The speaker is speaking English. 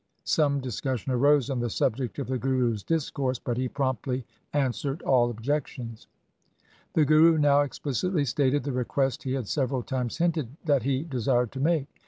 Some discus sion arose on the subject of the Guru's discourse, but he promptly answered all objections. The Guru now explicitly stated the request he had several times hinted that he desired to make.